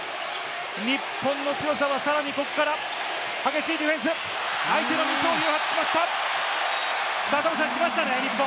日本の強さはさらにここから激しいディフェンス、相手のミスを誘発しました。来ましたね。